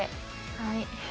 はい。